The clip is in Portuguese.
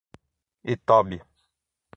Itobi